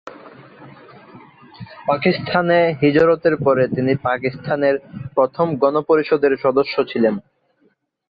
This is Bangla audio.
পাকিস্তানে হিজরতের পরে তিনি পাকিস্তানের প্রথম গণপরিষদের সদস্য ছিলেন।